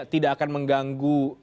tidak akan mengganggu